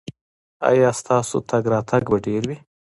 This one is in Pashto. ایا ستاسو تګ راتګ به ډیر وي؟